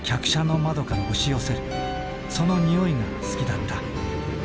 その匂いが好きだった。